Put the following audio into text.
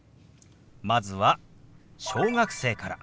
まずは小学生から。